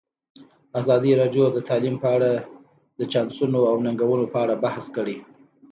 ازادي راډیو د تعلیم په اړه د چانسونو او ننګونو په اړه بحث کړی.